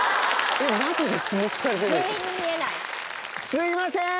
すいません！